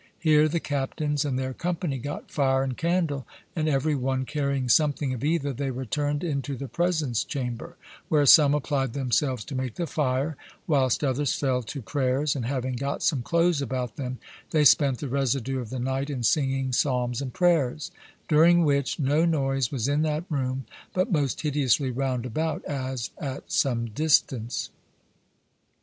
Here the Captains and their company got fire and candle, and every one carrying something of either, they returned into the Presence Chamber, where some applied themselves to make the fire, whilst others fell to prayers, and having got some clothes about them, they spent the residue of the night in singing psalms and prayers; during which, no noise was in that room, but most hideously round about, as at some distance.